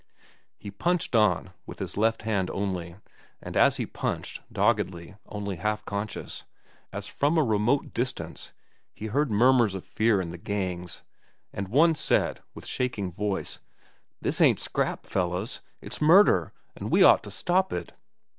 He punched on, with his left hand only, and as he punched, doggedly, only half conscious, as from a remote distance he heard murmurs of fear in the gangs, and one who said with shaking voice: "This ain't a scrap, fellows. It's murder, an' we ought to stop it."